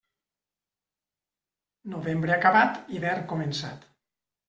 Novembre acabat, hivern començat.